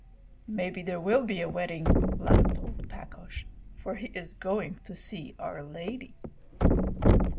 "Maybe there will be a wedding," laughed old Pakosh, "for he is going to see our lady."